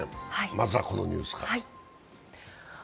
まずはこのニュースから。